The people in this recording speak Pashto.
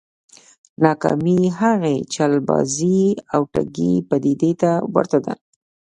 ناکامي هغې چلبازې او ټګې پديدې ته ورته ده.